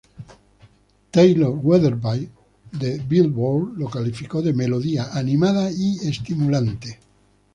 Taylor Weatherby, de Billboard, lo calificó de "melodía animada y estimulante".